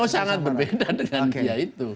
oh sangat berbeda dengan dia itu